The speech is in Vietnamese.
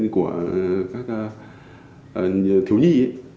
của các thiếu nhi